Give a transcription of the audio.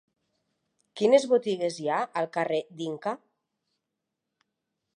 Quines botigues hi ha al carrer d'Inca?